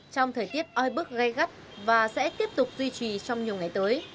trong thời tiết oi bức gây gắt và sẽ tiếp tục duy trì trong nhiều ngày tới